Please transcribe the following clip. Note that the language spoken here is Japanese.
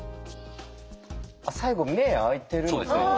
最後目開いてるんですけど。